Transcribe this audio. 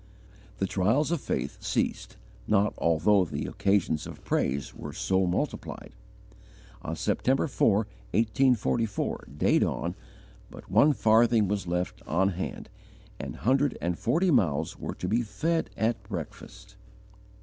The trials of faith ceased not although the occasions of praise were so multiplied. On September 4, 1844, day dawn, but one farthing was left on hand, and hundred and forty mouths were to be fed at breakfast!'